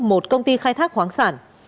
một công ty khai thác khoáng sản